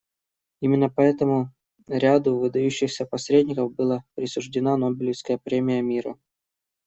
Именно поэтому ряду выдающихся посредников была присуждена Нобелевская премия мира.